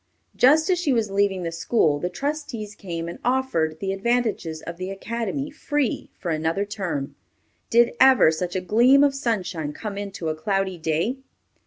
Just as she was leaving the school, the trustees came and offered the advantages of the academy free, for another term. Did ever such a gleam of sunshine come into a cloudy day?